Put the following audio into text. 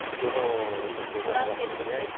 あやっぱりそうなりますよね。